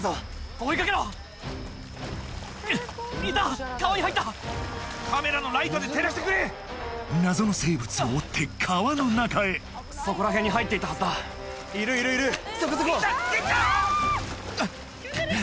追いかけろいた川に入ったカメラのライトで照らしてくれ謎の生物を追って川の中へそこらへんに入っていったはずだいるいるいるそこそこいた！でた！